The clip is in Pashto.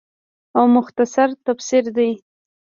او مختصر تفسير دے